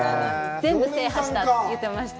全部制覇したって言ってました。